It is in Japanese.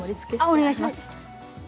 お願いします。